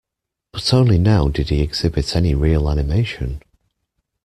But only now did he exhibit any real animation.